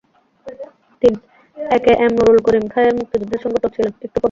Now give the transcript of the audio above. এ K M Nurul Karim Khayer মুক্তিযুদ্ধের সংগঠক ছিলেন।